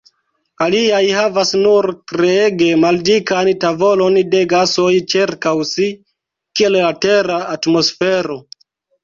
Aliaj havas nur treege maldikan tavolon de gasoj ĉirkaŭ si, kiel la Tera atmosfero.